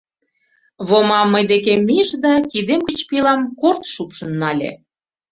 Вома мый декем мийыш да кидем гыч пилам корт шупшын нале.